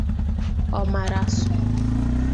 Ọmara asụ